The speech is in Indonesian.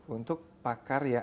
untuk pakar ya